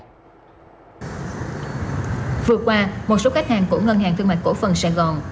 vừa qua một số khách hàng của ngân hàng thương mại cổ phần sài gòn